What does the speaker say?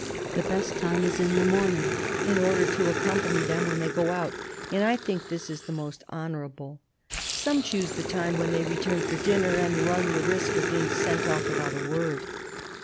... The best time is the morning, in order to accompany them when they go out, and I think this the most honourable. Some choose the time when they return for dinner, and run the risk of being sent off without a word."